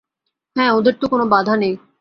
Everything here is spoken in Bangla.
হাঁ, ওঁদের কোনো বাধা নেই।